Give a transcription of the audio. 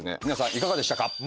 皆さんいかがでしたか？